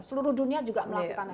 seluruh dunia juga melakukan